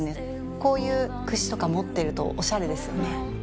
こういうクシとか持ってるとオシャレですよね。